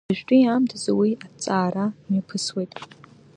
Уажәтәи аамҭазы уи аҭҵаара мҩаԥысуеит.